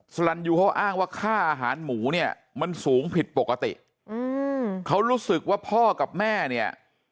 สรรยูเขาอ้างว่าค่าอาหารหมูเนี่ยมันสูงผิดปกติอืมเขารู้สึกว่าพ่อกับแม่เนี่ย